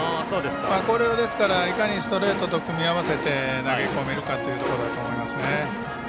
これをいかにストレートと組み合わせて投げ込めるかだと思いますね。